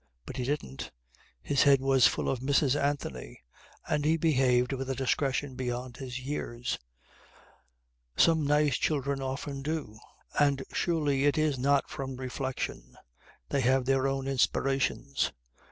But he didn't. His head was full of Mrs. Anthony and he behaved with a discretion beyond his years. Some nice children often do; and surely it is not from reflection. They have their own inspirations.